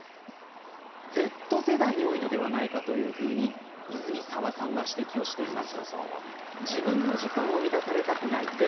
Ｚ世代に多いのではないかというふうに泉澤さんは指摘をしています。